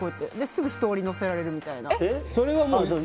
すぐストーリーに載せられるみたいな。